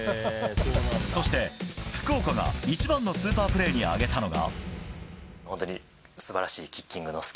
そして、福岡が一番のスーパープレーに挙げたのが。